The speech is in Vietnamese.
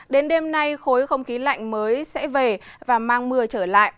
đến đêm nay khối không khí lạnh mới sẽ về và mang mưa trở lại